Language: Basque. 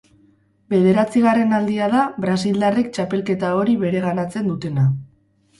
Bederatzigarren aldia da brasildarrek txapelketa hori bereganatzen dutena.